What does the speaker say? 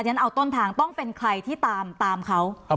ฉันเอาต้นทางต้องเป็นใครที่ตามเขา